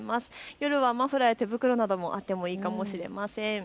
夜はマフラーや手袋などもあってもいいかもしれません。